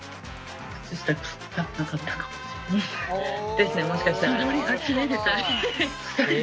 ですねもしかしたら。